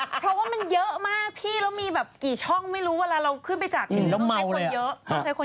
เวลาเราขึ้นไปจับต้องใช้คนเยอะ